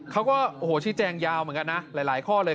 เขาก็โอ้โหชี้แจงยาวเหมือนกันนะหลายข้อเลย